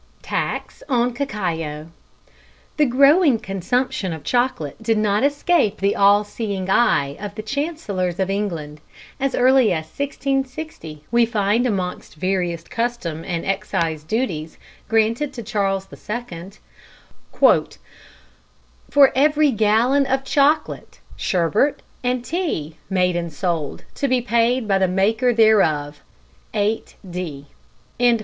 Tax on Cacao. The growing consumption of chocolate did not escape the all seeing eye of the Chancellors of England. As early as 1660 we find amongst various custom and excise duties granted to Charles II: "For every gallon of chocolate, sherbet, and tea made and sold, to be paid by the maker thereof ..... 8d."